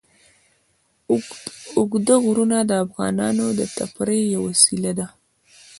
اوږده غرونه د افغانانو د تفریح یوه وسیله ده.